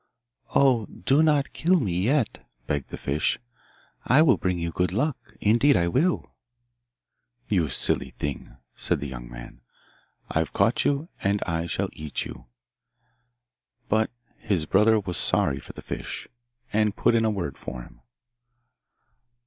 'Oh, do not kill me yet!' begged the fish; 'I will bring you good luck indeed I will!' 'You silly thing!' said the young man; 'I've caught you, and I shall eat you.' But his brother was sorry for the fish, and put in a word for him.